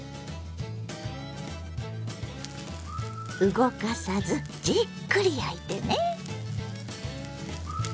動かさずじっくり焼いてね。